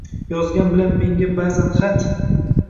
Yozgan bilan menga ba’zan xat?